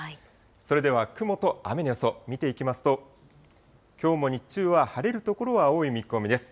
それでは雲と雨の予想を見ていきますと、きょうも日中は晴れる所は多い見込みです。